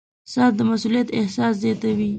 • ساعت د مسؤولیت احساس زیاتوي.